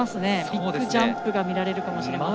ビッグジャンプが見られるかもしれません。